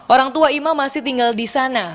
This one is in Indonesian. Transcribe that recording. orang tua ima masih tinggal di sana